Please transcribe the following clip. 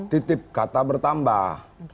titip kata bertambah